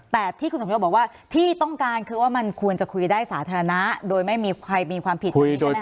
แต่ที่คุณสมยศบอกว่าที่ต้องการคือว่ามันควรจะคุยได้สาธารณะโดยไม่มีใครมีความผิดแบบนี้ใช่ไหม